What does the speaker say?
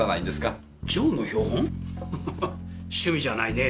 ハハハ趣味じゃないね。